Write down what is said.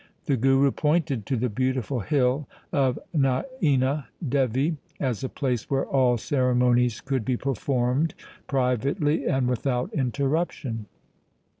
The Guru pointed to the beautiful hill of Naina Devi as a place where all ceremonies could be performed privately and without interruption.